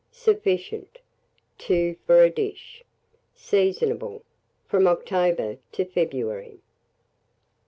Sufficient, 2 for a dish. Seasonable from October to February.